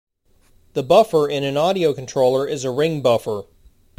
The buffer in an audio controller is a ring buffer.